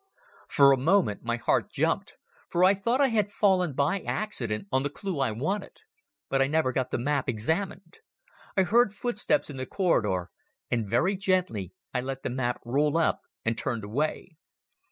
For a moment my heart jumped, for I thought I had fallen by accident on the clue I wanted. But I never got that map examined. I heard footsteps in the corridor, and very gently I let the map roll up and turned away.